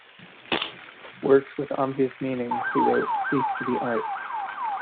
Works with obvious meanings, he wrote, cease to be art.